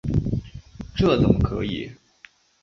这怎么可以！